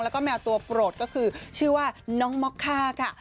แล้วก็แมวตัวปลดเขาคือชื่อว่าน้องมรรค่ะ